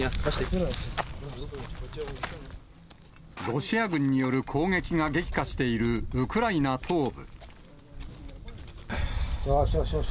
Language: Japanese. ロシア軍による攻撃が激化しているウクライナ東部。